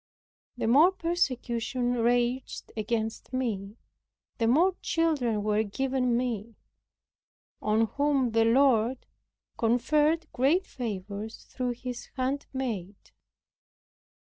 The more persecution raged against me the more children were given me, on whom the Lord conferred great favors through His handmaid.